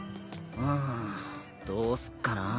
うんどうすっかなぁ。